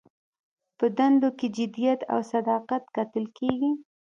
په دنده کې جدیت او صداقت کتل کیږي.